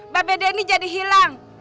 mbak bede ini jadi hilang